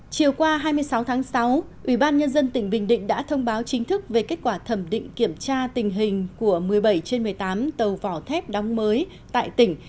chiều qua hai mươi sáu tháng sáu ubnd tỉnh bình định đã thông báo chính thức về kết quả thẩm định kiểm tra tình hình của một mươi bảy trên một mươi tám tàu vỏ thép đóng mới tại tỉnh